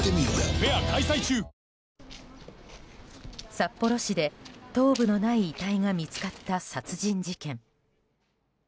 札幌市で頭部のない遺体が見つかった殺人事件。